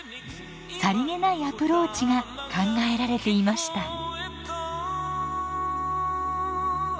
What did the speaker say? さりげないアプローチが考えられていました。